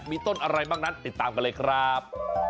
มีต้นอะไรบ้างนั้นติดตามกันเลยครับ